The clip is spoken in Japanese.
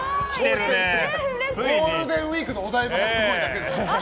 ゴールデンウィークのお台場がすごいだけだよ。